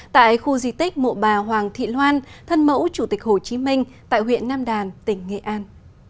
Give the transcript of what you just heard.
tại khu di tích mộ bà hoàng thị loan thân mẫu chủ tịch hồ chí minh tại huyện nam đàn tỉnh nghệ an